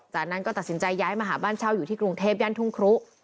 จากนั้นก็ตัดสินใจย้ายมาหาบ้านเช่าอยู่ที่กรุงเทพย่านทุ่งครุ